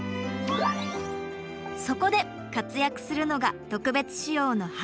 そこで活躍するのが特別仕様の花嫁タクシー。